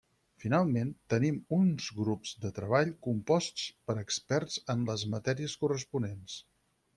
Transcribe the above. Finalment, tenim uns grups de treball composts per experts en les matèries corresponents.